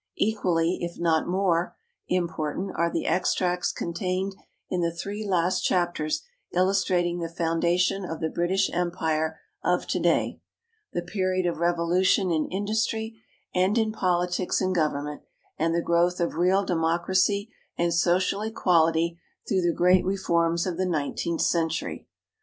Equally, if not more, important are the extracts contained in the three last chapters illustrating the foundation of the British Empire of to day, the period of revolution in industry and in politics and government, and the growth of real democracy and social equality through the great reforms of the nineteenth century.